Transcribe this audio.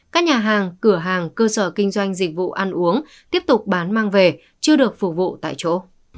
các nhà hàng cửa hàng cơ sở kinh doanh dịch vụ ăn uống tiếp tục bán mang về chưa được phục vụ tại chỗ